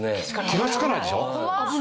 気がつかないでしょ？